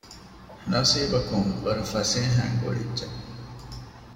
ނަސީބަކުން ވަރަށް ފަސޭހައިން ގުޅިއްޖެ